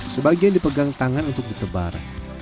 sebagian dipegang tangan untuk ditebar